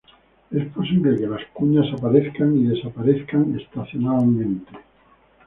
Es posible que las "cuñas" aparezcan y desaparezcan estacionalmente.